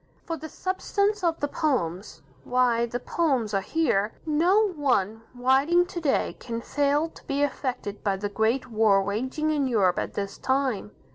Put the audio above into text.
For the substance of the poems why, the poems are here. No one writing to day can fail to be affected by the great war raging in Europe at this time.